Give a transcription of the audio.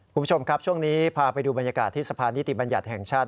คุณผู้ชมครับช่วงนี้พาไปดูบรรยากาศที่สะพานนิติบัญญัติแห่งชาติ